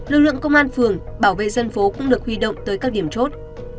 lực lượng công an phường bảo vệ dân phố cũng được huy động tới các điểm chốt